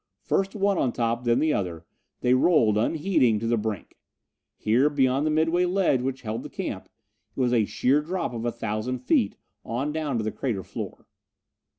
First one on top, then the other, they rolled, unheeding, to the brink. Here, beyond the midway ledge which held the camp, it was a sheer drop of a thousand feet, on down to the crater floor.